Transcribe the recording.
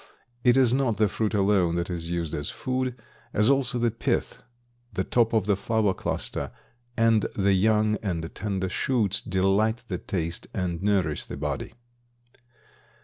It is not the fruit alone that is used as food, as also the pith, the top of the flower cluster and the young and tender shoots delight the taste and nourish the body.